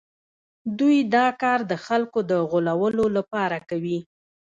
دوی دا کار د خلکو د غولولو لپاره کوي